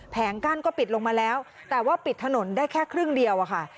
แงกั้นก็ปิดลงมาแล้วแต่ว่าปิดถนนได้แค่ครึ่งเดียวอะค่ะ